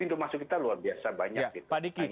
pintu masuk kita luar biasa banyak gitu